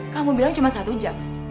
kamu bilang cuma satu jam